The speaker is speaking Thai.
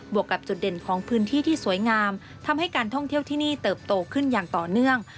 วกกับจุดเด่นของพื้นที่ที่สวยงามทำให้การท่องเที่ยวที่นี่เติบโตขึ้นอย่างต่อเนื่อง